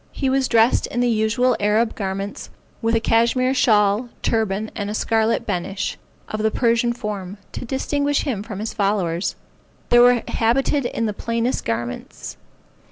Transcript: He was dressed in the usual Arab garments, with a cashmeer shawl, turban, and a scarlet benish, of the Persian form, to distinguish him from his followers. There were habited in the plainest garments.